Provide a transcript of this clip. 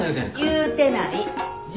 言うてない。